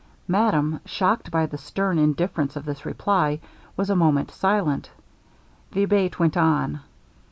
Madame, shocked by the stern indifference of this reply, was a moment silent. The Abate went on.